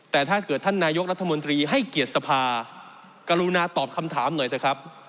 แต่ถ้าเกิดท่านนายกรัฐมนตรีให้เกียรติสภากรุณาตอบคำถามหน่อยเถอะครับ